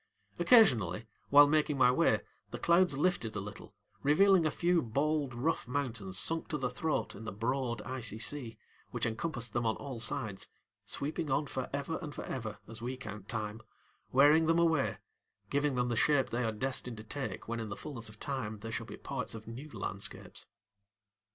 Occasionally, while making my way, the clouds lifted a little, revealing a few bald, rough mountains sunk to the throat in the broad, icy sea which encompassed them on all sides, sweeping on forever and forever as we count time, wearing them away, giving them the shape they are destined to take when in the fullness of time they shall be parts of new landscapes.